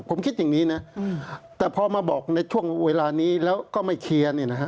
ผมคิดอย่างนี้นะแต่พอมาบอกในช่วงเวลานี้แล้วก็ไม่เคลียร์เนี่ยนะฮะ